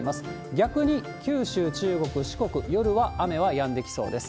逆に九州、中国、四国、夜は雨はやんできそうです。